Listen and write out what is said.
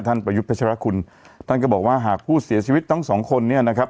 ประยุทธ์พัชรคุณท่านก็บอกว่าหากผู้เสียชีวิตทั้งสองคนเนี่ยนะครับ